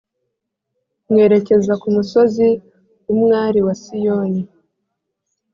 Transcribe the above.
mwerekeza ku musozi w’umwari wa Siyoni.